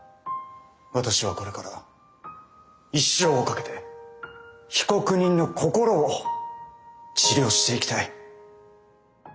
私はこれから一生をかけて被告人の心を治療していきたい。